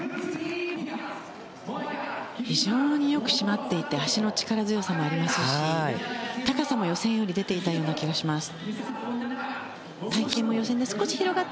非常によく締まっていて脚の力強さもありますし高さも予選より出ていたような気がします。